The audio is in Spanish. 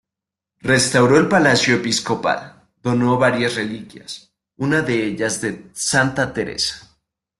Restauró el palacio episcopal, donó varias reliquias, una de ellas de Santa Teresa.